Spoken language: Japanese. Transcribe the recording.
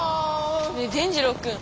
ねぇ伝じろうくん。